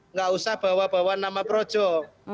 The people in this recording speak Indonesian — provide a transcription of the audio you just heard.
nggak usah bawa bawa nama projo